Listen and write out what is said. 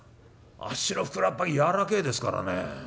あっしのふくらっぱぎ柔らけえですからね。